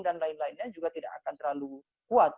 dan lain lainnya juga tidak akan terlalu kuat